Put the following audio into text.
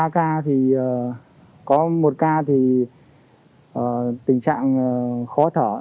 ba ca thì có một ca thì tình trạng khó thở